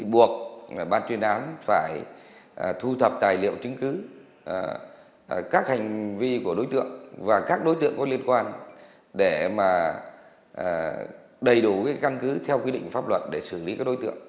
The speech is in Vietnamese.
bộ ban truyền án phải thu thập tài liệu trứng cứ các hành vi của đối tượng và các đối tượng có liên quan để mà đầy đủ cái căn cứ theo quy định pháp luật để xử lý các đối tượng